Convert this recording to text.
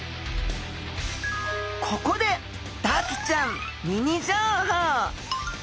ここでダツちゃんミニ情報。